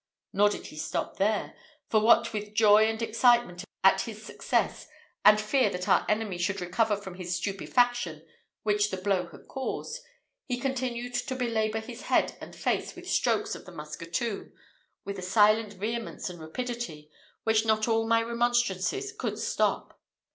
Nor did he stop here; for what with joy and excitement at his success, and fear that our enemy should recover from the stupefaction which the blow had caused, he continued to belabour his head and face with strokes of the musketoon, with a silent vehemence and rapidity which not all my remonstrances could stop.